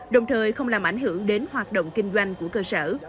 đồng thời không làm ảnh hưởng đến hoạt động kinh doanh của cơ sở